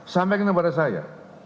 sampai kenapa pada saya